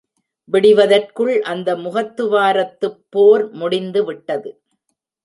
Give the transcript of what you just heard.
விடிவதற்குள் அந்த முகத்துவாரத்துப் போர் முடிந்துவிட்டது.